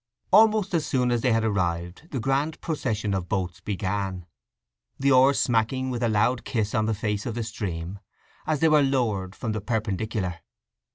Almost as soon as they had arrived the grand procession of boats began; the oars smacking with a loud kiss on the face of the stream, as they were lowered from the perpendicular.